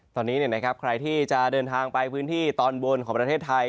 ตอนนี้ใครที่จะเดินทางไปพื้นที่ตอนบนของประเทศไทย